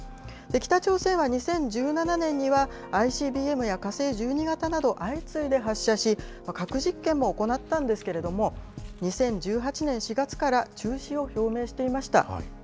北朝鮮は２０１７年には、ＩＣＢＭや火星１２型など、相次いで発射し、核実験も行ったんですけれども、２０１８年４月から中止を表明していました。